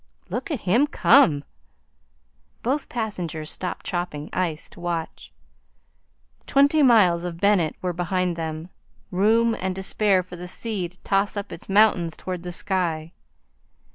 "Look at him come!" Both passengers stopped chopping ice to watch. Twenty miles of Bennett were behind them room and to spare for the sea to toss up its mountains toward the sky.